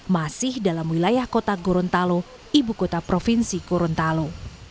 masih dalam wilayah kota gorontalo ibu kota provinsi gorontalo